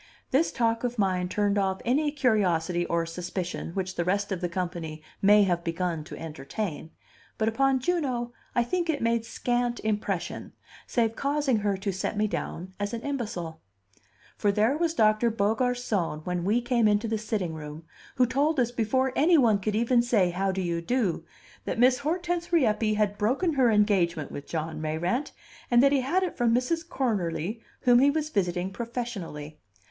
This talk of mine turned off any curiosity or suspicion which the rest of the company may have begun to entertain; but upon Juno I think it made scant impression, save causing her to set me down as an imbecile. For there was Doctor Beaugarcon when we came into the sitting room, who told us before any one could even say "How do you do," that Miss Hortense Rieppe had broken her engagement with John Mayrant, and that he had it from Mrs. Cornerly, whom he was visiting professionally.